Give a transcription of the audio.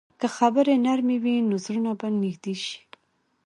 که خبرې نرمې وي، نو زړونه به نږدې شي.